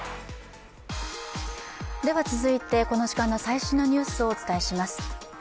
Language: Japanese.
続いてこの時間の最新のニュースをお伝えします。